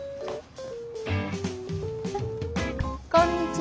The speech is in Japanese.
こんにちは。